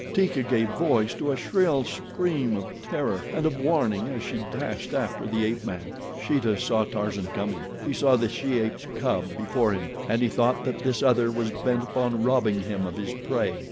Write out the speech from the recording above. Teeka gave voice to a shrill scream of terror and of warning as she dashed after the ape man. Sheeta saw Tarzan coming. He saw the she ape's cub before him, and he thought that this other was bent upon robbing him of his prey.